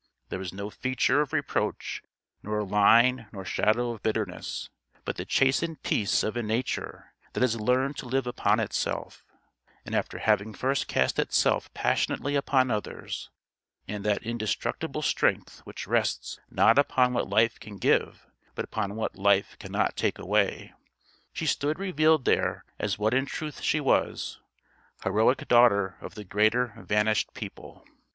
There was no feature of reproach nor line nor shadow of bitterness, but the chastened peace of a nature that has learned to live upon itself, after having first cast itself passionately upon others; and that indestructible strength which rests not upon what life can give, but upon what life cannot take away: she stood revealed there as what in truth she was heroic daughter of the greater vanished people.